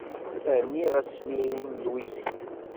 Rniɣ asmiri n lwiski.